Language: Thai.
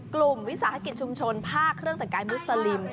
กลุ่มวิศาธิกษ์ชุมชนผ้าเครื่องแต่งกายมุสแลิน